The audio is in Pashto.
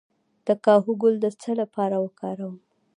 د کاهو ګل د څه لپاره وکاروم؟